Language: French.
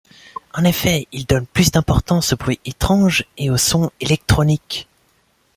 En effet ils donnent plus d'importance aux bruits étranges et aux sons électroniques.